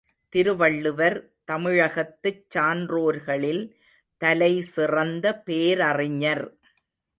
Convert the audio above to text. திருவள்ளுவர் தமிழகத்துச் சான்றோர்களில் தலைசிறந்த பேரறிஞர்.